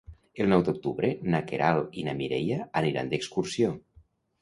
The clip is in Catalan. El nou d'octubre na Queralt i na Mireia aniran d'excursió.